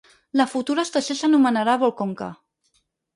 La futura estació s'anomenarà Volkhonka.